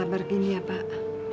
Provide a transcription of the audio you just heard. sabar gini ya pak